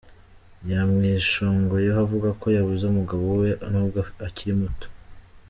Yamwishongoyeho avuga ko yabuze umugabo we nubwo akiri muto.